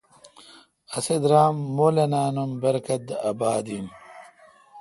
اسی درام مولینان ام برکت دے اباد این۔